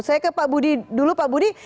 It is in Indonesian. saya ke pak budi dulu pak budi